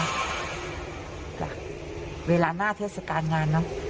แหละเวลาหน้าเทศกรรมงานนะ